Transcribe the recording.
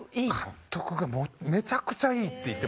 監督がもうめちゃくちゃいいって言ってます。